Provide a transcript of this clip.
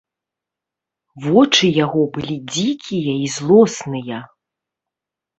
Вочы яго былі дзікія і злосныя.